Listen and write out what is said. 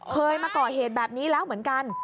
เคยมาก่อเหตุแบบนี้แล้วเหมือนกัน